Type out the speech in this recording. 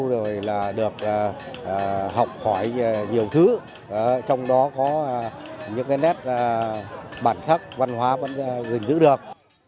rồi là được học khỏi nhiều thứ trong đó có những cái nét bản sắc văn hóa vẫn giữ được